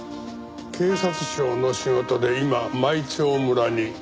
警察庁の仕事で今舞澄村に。